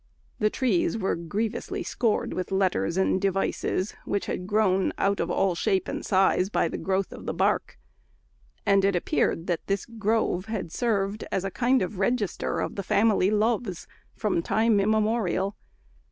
The trees were grievously scored with letters and devices, which had grown out of all shape and size by the growth of the bark: and it appeared that this grove had served as a kind of register of the family loves from time immemorial.